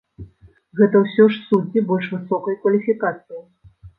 Гэта ўсё ж суддзі больш высокай кваліфікацыі.